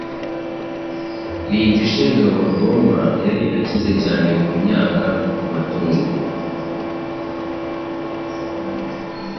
n’igishegabo rwoma. Yari akize cyane ku myaka no ku matungo,